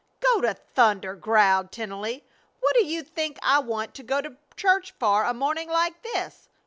"Go to thunder!" growled Tennelly. "What do you think I want to go to church for a morning like this?